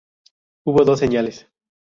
Hubo dos señales.